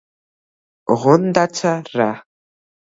ოღონდაცა რა